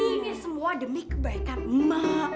ini semua demi kebaikan mak